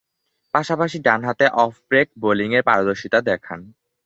পাশাপাশি ডানহাতে off break বোলিংয়ে পারদর্শীতা দেখান।